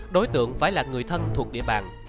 đối tượng phải là người thân thuộc địa bàn